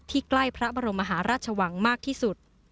ใกล้พระบรมมหาราชวังมากที่สุด